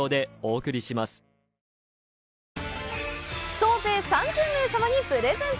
総勢３０名様にプレゼント！